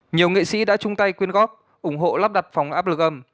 nhiều nghệ sĩ đã chung tay quyên góp ủng hộ lắp đặt phòng áp lực âm